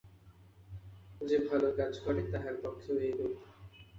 যে ভাল কাজ করে, তাহার পক্ষেও এইরূপ।